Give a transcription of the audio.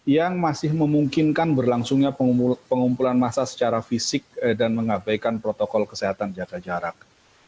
yang masih memungkinkan berlangsungnya pengumpulan massa secara fisik dan mengabaikan protokol kesehatan jaga jarak